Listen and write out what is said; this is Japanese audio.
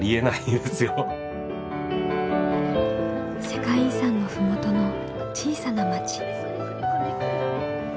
世界遺産の麓の小さな町。